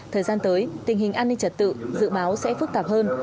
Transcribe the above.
thời gian tới tình hình an ninh trật tự dự báo sẽ phức tạp hơn